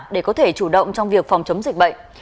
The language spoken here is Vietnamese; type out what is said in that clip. để có thể chủ động trong việc phòng chống dịch bệnh